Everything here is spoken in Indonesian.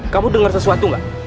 kamu dengar sesuatu gak